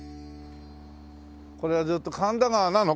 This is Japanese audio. これはずっと神田川なの？